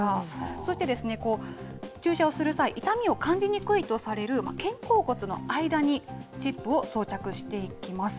そして、注射をする際、痛みを感じにくいとされる肩甲骨の間に、チップを装着していきます。